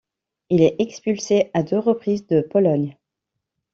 Il est expulsé à deux reprises de Pologne.